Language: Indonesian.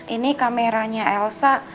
ini kameranya elsa